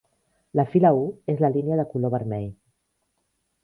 La fila u és la línia de color vermell.